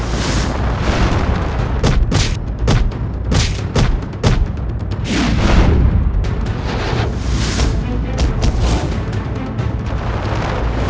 sekarang suceda will